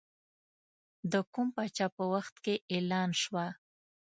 د کوم پاچا په وخت کې اعلان شوه.